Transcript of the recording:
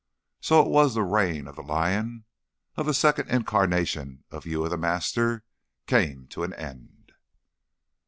So it was the reign of the lion, of the second incarnation of Uya the Master, came to an end.